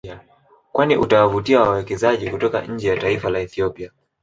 Kwani utawavutia wawekezaji kutoka nje ya taifa la Ethiopia